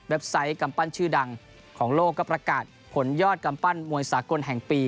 ไซต์กำปั้นชื่อดังของโลกก็ประกาศผลยอดกำปั้นมวยสากลแห่งปี